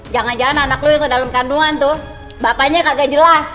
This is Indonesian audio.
jangan jangan anak kamu yang ke dalam kandungan itu bapaknya tidak jelas